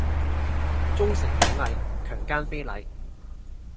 忠誠勇毅強姦非禮